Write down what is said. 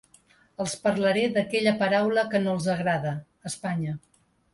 Els parlaré d’aquella paraula que no els agrada: Espanya.